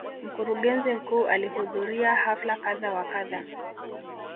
Mkurugenzi mkuu alihudhuria hafla kadha wa kadha.